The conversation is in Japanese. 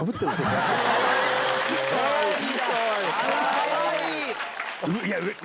かわいい！